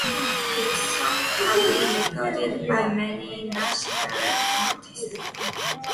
His songs have been recorded by many Nashville artists.